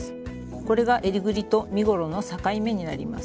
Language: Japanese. これがえりぐりと身ごろの境目になります。